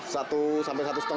satu sampai satu lima